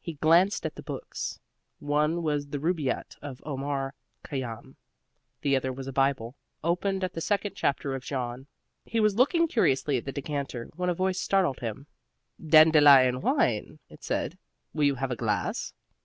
He glanced at the books. One was The Rubaiyat of Omar Khayyam, the other was a Bible, open at the second chapter of John. He was looking curiously at the decanter when a voice startled him. "Dandelion wine!" it said. "Will you have a glass?"